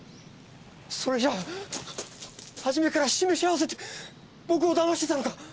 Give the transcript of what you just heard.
それじゃ初めから示し合わせて僕を騙してたのか！？